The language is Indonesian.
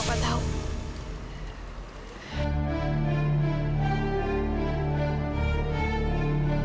saya cuma pengen tanya